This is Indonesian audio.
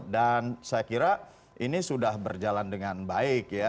dan saya kira ini sudah berjalan dengan baik ya